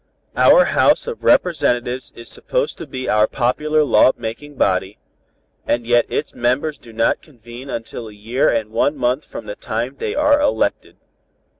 Our House of Representatives is supposed to be our popular law making body, and yet its members do not convene until a year and one month from the time they are elected.